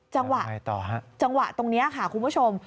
จังหวะตรงนี้ค่ะคุณผู้ชม